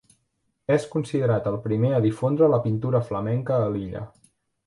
És considerat el primer a difondre la pintura flamenca a l'illa.